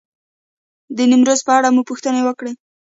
د نیمروز په اړه مو پوښتنې وکړې.